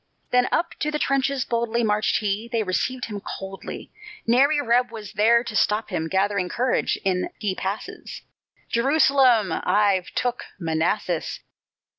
Then up to the trenches boldly Marched he they received him coldly; Nary reb was there to stop him. Gathering courage, in he passes: "Jerusalem! I've took Manassas."